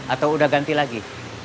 atau udah ganti lagi